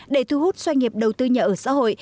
để thu hút doanh nghiệp đầu tư nhà ở xã hội